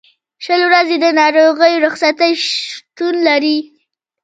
شل ورځې د ناروغۍ رخصتۍ شتون لري.